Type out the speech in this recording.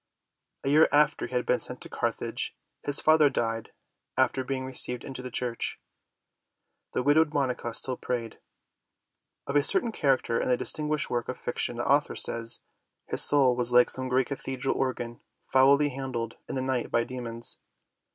A year after he had been sent to Carthage, his father died after being received into the Church. The widowed Monica still prayed. Of a certain character in a distinguished work of fiction the author says: "His soul was like some great cathedral organ foully handled in the night by demons."